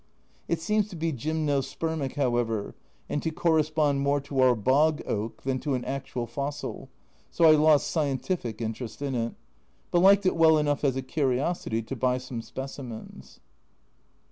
It seems to be gymnospermic, however, and to corre spond more to our " bog oak " than to an actual fossil, so I lost scientific interest in it, but liked it well enough as a curiosity to buy some specimens.